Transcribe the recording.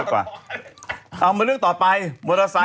ต่อไปมอเตอร์ไซค์ทดเม้นท์แล้วก็หนี